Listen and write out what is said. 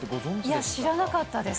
いや、知らなかったです。